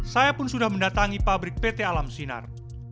saya pun sudah mendatangi pabrik pt alam sinar